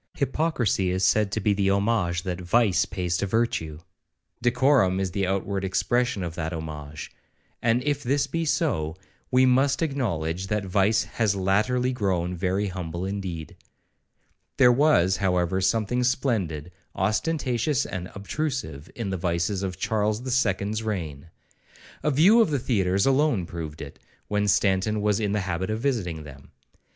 Hypocrisy is said to be the homage that vice pays to virtue,—decorum is the outward expression of that homage; and if this be so, we must acknowledge that vice has latterly grown very humble indeed. There was, however, something splendid, ostentatious, and obtrusive, in the vices of Charles the Second's reign.—A view of the theatres alone proved it, when Stanton was in the habit of visiting them.